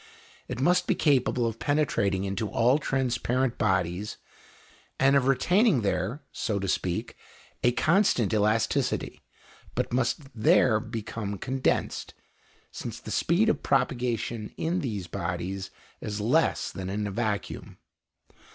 It must be capable of penetrating into all transparent bodies, and of retaining there, so to speak, a constant elasticity, but must there become condensed, since the speed of propagation in these bodies is less than in a vacuum.